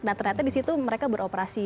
nah ternyata di situ mereka beroperasi